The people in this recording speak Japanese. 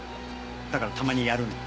だからたまにやるの。